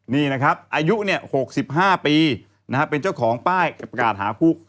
นี่นะครับอายุ๖๕ปีเป็นเจ้าของป้ายประกาศหาผู้